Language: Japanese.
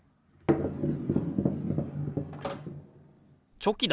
チョキだ！